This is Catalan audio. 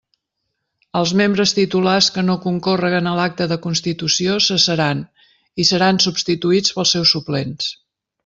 Els membres titulars que no concórreguen a l'acte de constitució cessaran i seran substituïts pels seus suplents.